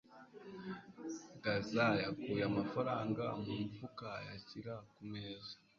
Gaza yakuye amafaranga mu mufuka ayashyira ku meza.